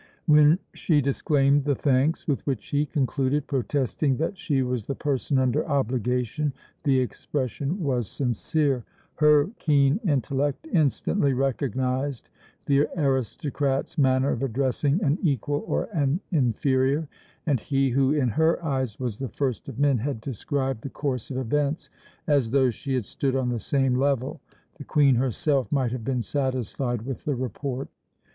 When she disclaimed the thanks with which he concluded, protesting that she was the person under obligation, the expression was sincere. Her keen intellect instantly recognized the aristocrat's manner of addressing an equal or an inferior; and he who, in her eyes, was the first of men, had described the course of events as though she had stood on the same level. The Queen herself might have been satisfied with the report.